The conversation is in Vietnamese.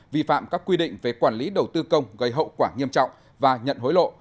vi phạm các quy định về quản lý đầu tư công gây hậu quả nghiêm trọng và nhận hối lộ